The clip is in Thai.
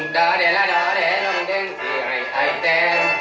ต่อเต็งและต่อเต็งและลงแจงสี่ไอ้ไอ้แจน